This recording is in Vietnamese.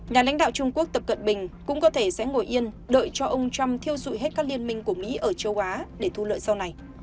nhà lãnh đạo trung quốc tập cận bình cũng có thể sẽ ngồi yên đợi cho ông trump thiêu dụi hết các liên minh của mỹ ở châu á để thu lợi sau này